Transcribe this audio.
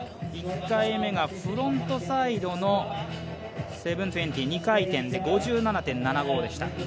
１回目がフロントサイドの７２０２回転で５７．７５でした。